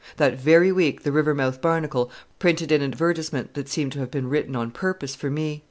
That very week the Rivermouth Barnacle printed an advertisement that seemed to have been written on purpose for me.